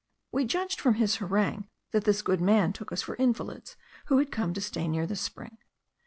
We judged from his harangue, that this good man took us for invalids, who had come to stay near the spring.